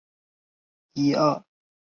日本动画协会正式会员。